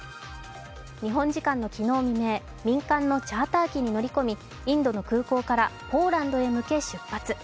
日本時間の昨日未明、民間のチャーター機に乗り込み、インドの空港からポーランドへ向け出発。